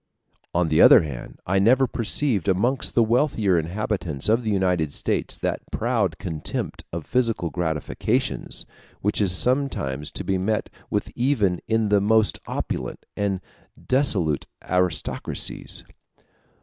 On the other hand, I never perceived amongst the wealthier inhabitants of the United States that proud contempt of physical gratifications which is sometimes to be met with even in the most opulent and dissolute aristocracies.